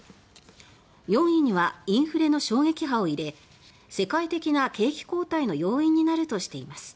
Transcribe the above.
４位には「インフレの衝撃波」を入れインフレが世界的な景気後退の要因になりうると警鐘を鳴らしました。